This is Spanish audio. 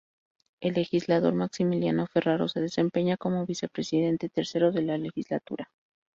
El legislador Maximiliano Ferraro se desempeña como Vicepresidente tercero de la Legislatura.